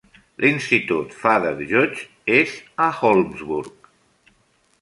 L'institut Father Judge és a Holmesburg.